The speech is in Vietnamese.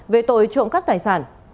về tội trộm cắt tài sản